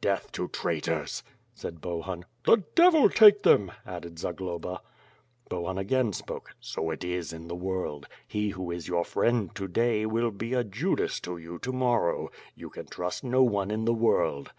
"Death to traitors!" said Bohun. "The devil take them!" added Zagloba. Bohun again spoke. "So it is in the world! He who is your friend to day, will be a Judas to you to morrow. You can trust no one in the world."